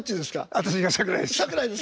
私が桜井です。